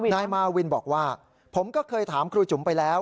นายมาวินบอกว่าผมก็เคยถามครูจุ๋มไปแล้ว